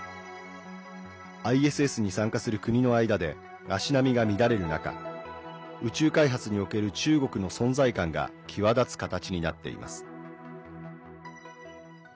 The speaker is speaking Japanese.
ＩＳＳに参加する国の間で足並みが乱れる中宇宙開発における中国の存在感が際立つ形になっています。